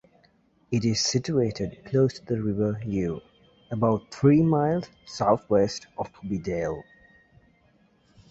It is situated close to the River Ure, about three miles south-west of Bedale.